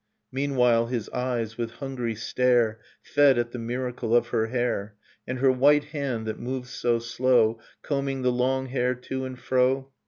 Meanwhile his eyes, with hungry stare, Fed at the miracle of her hair; And her white hand that moved so slow, Combing the long hair to and fro.